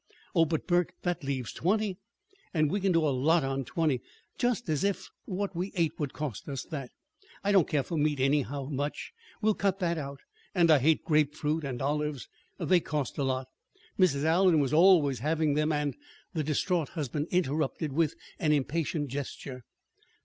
"Oh, but, Burke, that leaves twenty, and we can do a lot on twenty. Just as if what we ate would cost us that! I don't care for meat, anyhow, much. We'll cut that out. And I hate grapefruit and olives. They cost a lot. Mrs. Allen was always having them, and " The distraught husband interrupted with an impatient gesture.